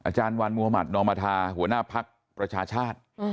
อาจารย์วันมุธมัธนอมธาหัวหน้าภักดิ์ประชาชาติ